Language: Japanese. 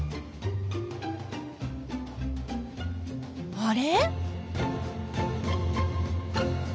あれ？